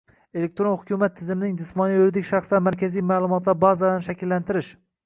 “Elektron hukumat” tizimining jismoniy va yuridik shaxslar markaziy ma’lumotlar bazalarini shakllantirish